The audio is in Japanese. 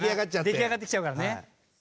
出来上がってきちゃうからね。